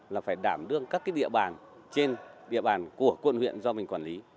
là phải đảm đương các địa bàn trên địa bàn của quận huyện do mình quản lý